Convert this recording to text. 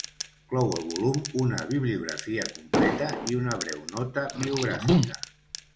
Clou el volum una bibliografia completa i una breu nota biogràfica.